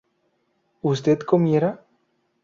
¿usted comiera?